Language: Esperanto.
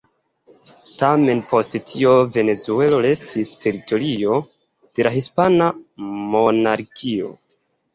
Tamen post tio Venezuelo restis teritorio de la hispana monarkio.